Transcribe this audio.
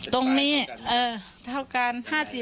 ตรงนี้เท่ากัน๕๐